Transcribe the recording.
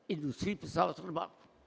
industri pesawat serbaku